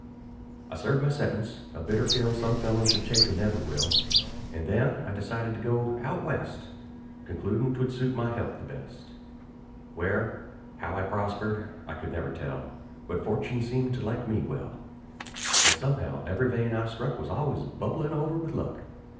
I served my sentence a bitter pill Some fellows should take who never will; And then I decided to go "out West," Concludin' 'twould suit my health the best; Where, how I prospered, I never could tell, But Fortune seemed to like we [me] well, An' somehow every vein I struck Was always bubblin' over with luck.